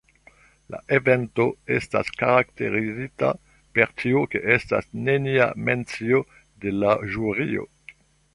La evento estas karakterizita per tio ke estas nenia mencio de la ĵurio.